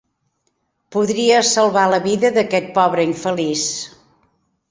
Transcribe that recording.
Podries salvar la vida d'aquest pobre infeliç.